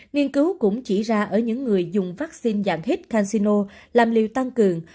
nghiên cứu cũng chỉ ra ở những người dùng vaccine dạng hít casino làm liều tăng cường